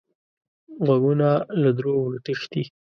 غوږونه له دروغو تښتي